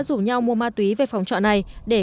rủ nhau mua ma túy về phòng trọ này để